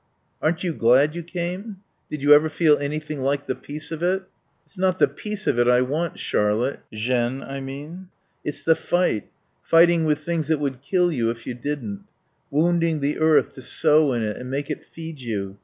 "Aren't you glad you came? Did you ever feel anything like the peace of it?" "It's not the peace of it I want, Charlotte, Jeanne, I mean. It's the fight. Fighting with things that would kill you if you didn't. Wounding the earth to sow in it and make it feed you.